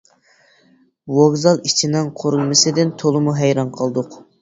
ۋوگزال ئىچىنىڭ قۇرۇلمىسىدىن تولىمۇ ھەيران قالدۇق.